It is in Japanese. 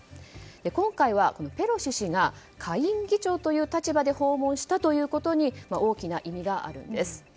今回は、ペロシ氏が下院議長という立場で訪問したということに大きな意味があるんです。